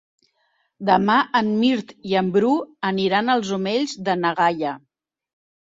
Demà en Mirt i en Bru aniran als Omells de na Gaia.